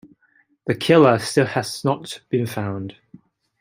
The killer still has not been found.